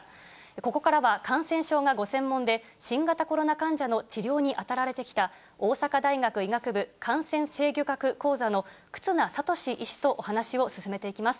ここからは感染症がご専門で、新型コロナ患者の治療に当たられてきた、大阪大学医学部感染制御学講座の忽那賢志医師とお話を進めていきます。